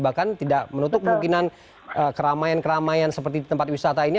bahkan tidak menutup kemungkinan keramaian keramaian seperti tempat wisata ini